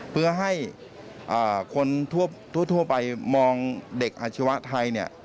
เพื่อให้คนทั่วไปมองเด็กอาชีวะไทยเนี่ย